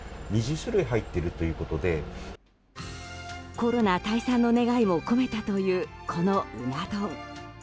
コロナ退散の願いも込めたという、この馬茄丼。